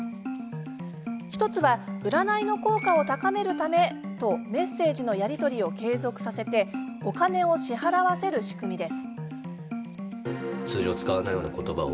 １つは占いの効果を高めるためとメッセージのやり取りを継続させてお金を支払わせる仕組みです。